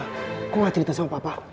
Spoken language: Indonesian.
kok enggak cerita sama papa